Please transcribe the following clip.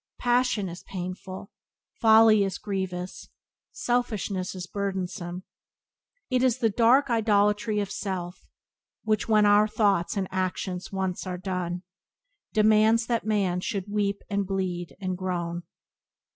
Passion is painful; folly is grievous; selfishness is burdensome. "It is the dark idolatry of self Which, when our thoughts and actions once are done, Demands that man should weep, and bleed, and groan."